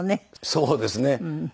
そうですね。